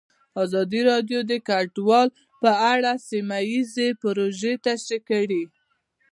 ازادي راډیو د کډوال په اړه سیمه ییزې پروژې تشریح کړې.